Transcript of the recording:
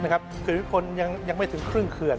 เขือนวิทยุคนยังไม่ถึงครึ่งเขือน